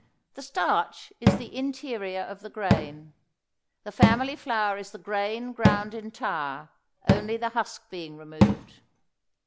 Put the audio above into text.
The starch is the interior of the grain. The family flour is the grain ground entire, only the husk being removed.